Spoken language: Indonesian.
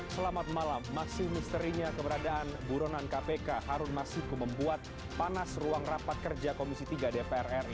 selamat malam masih misterinya keberadaan buronan kpk harun masiku membuat panas ruang rapat kerja komisi tiga dpr ri